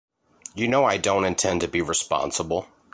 You know I don't intend to be responsible.